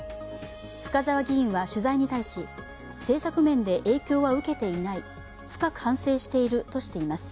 深澤議員は取材に対し、政策面で影響は受けていない、深く反省しているとしています。